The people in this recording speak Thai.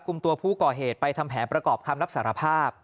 กลุ่มตัวผู้ก่อเหตุไปทำแผนประกอบคำรับสารภาพ